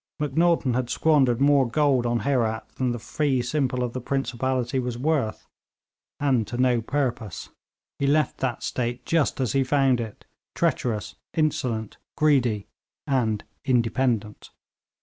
Macnaghten had squandered more gold on Herat than the fee simple of the principality was worth, and to no purpose; he left that state just as he found it, treacherous, insolent, greedy and independent.